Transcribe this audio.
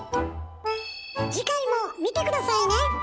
次回も見て下さいね！